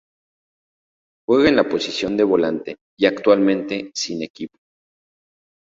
Juega en la posición de volante y actualmente sin equipo.